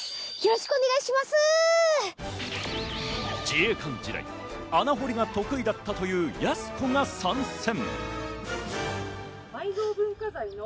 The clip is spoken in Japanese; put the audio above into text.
自衛官時代、穴掘りが得意だったというやす子が参戦。